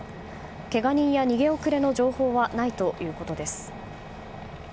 けが人や逃げ遅れの情報はないということです。